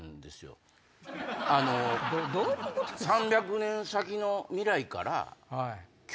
どういうこと⁉マジすか！